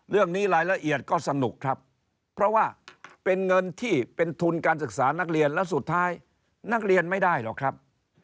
เรื่องนี้รายละเอียดก็สนุกครับเพราะว่าเป็นเงินที่เป็นทุนการศึกษานักเรียนแล้วสุดท้ายนักเรียนไม่ได้หรอกครับ